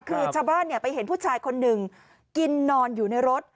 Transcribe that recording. คือชาวบ้านไปเห็นผู้ชายคนหนึ่งกินนอนอยู่ในรถ